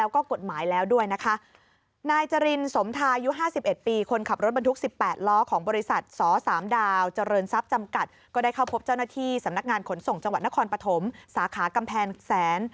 ขนส่งจังหวัดนครปฐมสาขากำแพงแสน